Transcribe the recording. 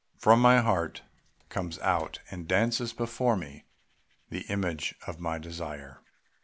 III From my heart comes out and dances before me the image of my desire.